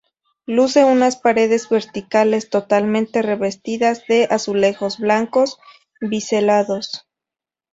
Luce unas paredes verticales totalmente revestidas de azulejos blancos biselados.